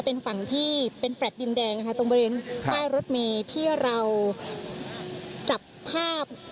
เป็นฝั่งที่เป็นแฟลต์ดินแดงนะคะตรงบริเวณป้ายรถเมย์ที่เราจับภาพ